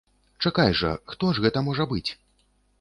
Чакай жа, хто ж гэта можа быць?!